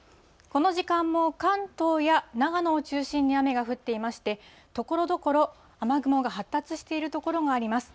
この時間も関東や長野を中心に雨が降っていまして、ところどころ、雨雲が発達している所があります。